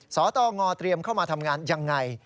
สตงเตรียมเข้ามาทำงานยังไง